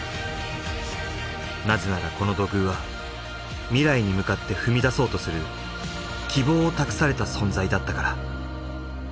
なぜならこの土偶は未来に向かって踏み出そうとする希望を託された存在だったから。